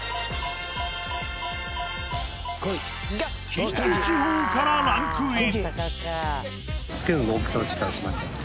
近畿地方からランクイン。